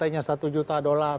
katanya satu juta dolar